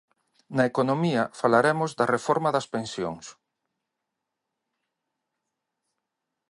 Na economía, falaremos da reforma das pensións.